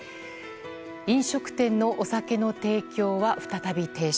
飲食店のお酒の提供は再び停止。